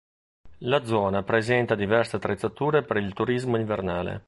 La zona presenta diverse attrezzature per il turismo invernale.